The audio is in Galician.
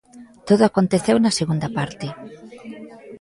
Todo aconteceu na segunda parte.